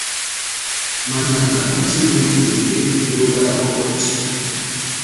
Manyianga mandi ó iponde ó loba lá kɔbɔti.